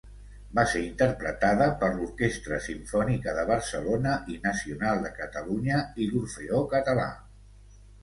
Va ser interpretada per l'Orquestra Simfònica de Barcelona i Nacional de Catalunya i l'Orfeó Català.